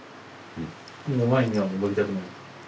もう前には戻りたくない？